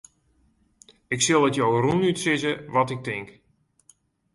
Ik sil it jo rûnút sizze wat ik tink.